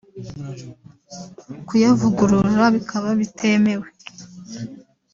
kuyavugurura bikaba bitemewe